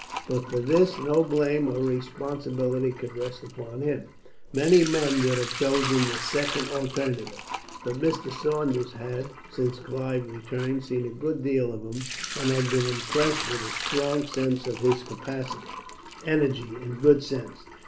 But for this no blame or responsibility could rest upon him. Many men would have chosen the second alternative; but Mr. Saunders had, since Clive's return, seen a good deal of him, and had been impressed with a strong sense of his capacity, energy, and good sense.